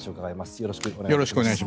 よろしくお願いします。